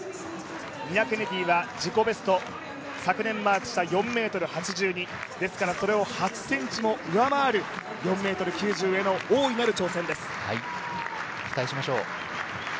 ニナ・ケネディは自己ベスト昨年マークした４ｍ８２、それを８ｃｍを上回る４ｍ９０への期待しましょう。